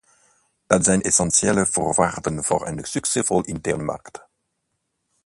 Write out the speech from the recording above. Dat zijn essentiële voorwaarden voor een succesvolle interne markt.